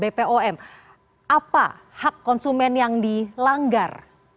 bpom apa hak konsumen yang dilanggar